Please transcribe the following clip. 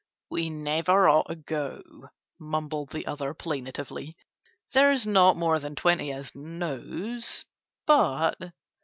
"We never ought to go," mumbled the other plaintively. "There's not more than twenty as knows, but...."